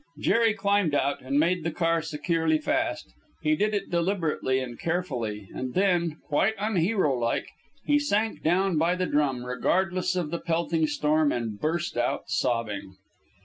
Jerry climbed out and made the car securely fast. He did it deliberately and carefully, and then, quite unhero like, he sank down by the drum, regardless of the pelting storm, and burst out sobbing.